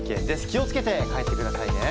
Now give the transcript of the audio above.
気を付けて帰ってくださいね。